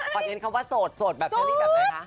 ความเช็นคำว่าโสดโสดแบบเชลลี่แบบไหนคะ